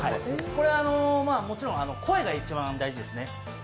もちろん声が一番大事ですね。